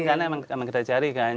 karena memang kita cari kan